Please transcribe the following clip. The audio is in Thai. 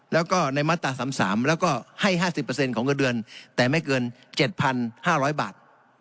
แล้วก็ในมาตรา๓๓แล้วก็ให้๕๐ของเงินเดือนแต่ไม่เกิน๗๕๐๐บาท